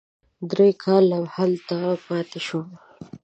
درې کاله هلته پاتې شوم.